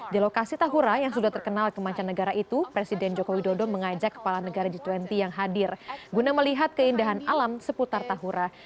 di lokasi tahura yang sudah terkenal kemancanegara itu presiden joko widodo mengajak kepala negara g dua puluh yang hadir guna melihat keindahan alam seputar tahura